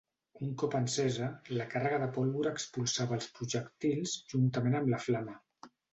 Un cop encesa, la càrrega de pólvora expulsava els projectils juntament amb la flama.